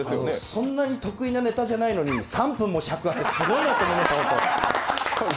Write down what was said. そんなに得意なネタじゃないのに３分も尺があってすごいなと思いました。